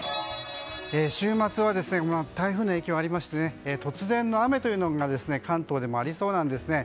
週末は台風の影響もありまして突然の雨というのが関東でもありそうなんですね。